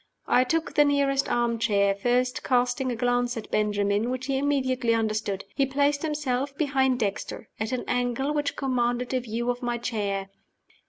I took the nearest arm chair, first casting a glance at Benjamin, which he immediately understood. He placed himself behind Dexter, at an angle which commanded a view of my chair.